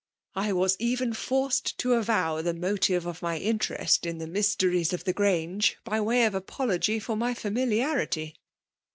I was even finced to avow the motive of my interest, in the iBys> teries of the Grange, by way of apology for my &miliarity.''